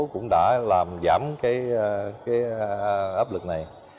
cũng đã làm giảm cái áp lực này